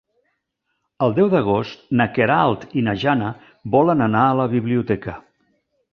El deu d'agost na Queralt i na Jana volen anar a la biblioteca.